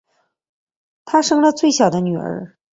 她生了最小的女儿